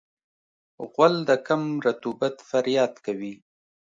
غول د کم رطوبت فریاد کوي.